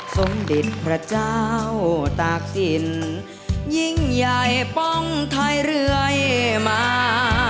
สมเด็จพระเจ้าตากศิลป์ยิ่งใหญ่ป้องไทยเรื่อยมา